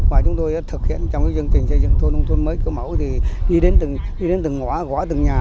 và chúng tôi thực hiện trong dân tỉnh xây dựng thôn nông thôn mới cơ mẫu thì đi đến từng ngõ gõ từng nhà